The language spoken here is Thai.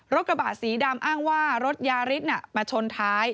รกระบะสีดำอ้างว่ารถยาฤทธิ์น่ะมาชนท้าย